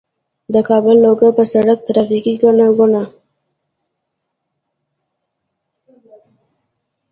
د کابل- لوګر په سړک ترافیکي ګڼه ګوڼه